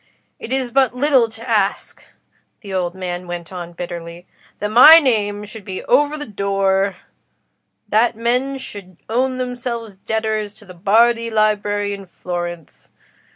It is but little to ask," the old man went on, bitterly, "that my name should be over the door—that men should own themselves debtors to the Bardi Library in Florence.